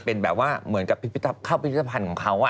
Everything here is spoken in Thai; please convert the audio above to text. เป็นแล้วก็รวมแล้วมีคนถาม